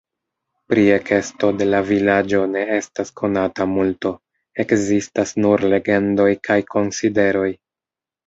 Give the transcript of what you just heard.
Pri ekesto de la vilaĝo ne estas konata multo, ekzistas nur legendoj kaj konsideroj.